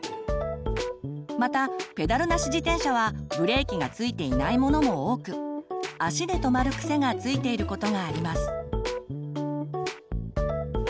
またペダルなし自転車はブレーキがついていないものも多く足で止まる癖がついていることがあります。